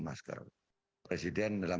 masker presiden dalam